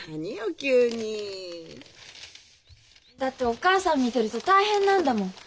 だってお母さん見てると大変なんだもん。